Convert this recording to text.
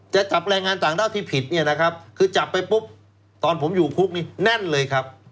จะจับแรงงานต่างด้าวที่ผิดเนี่ยนะครับคือจับไปปุ๊บตอนผมอยู่คุกนี่แน่นเลยครับ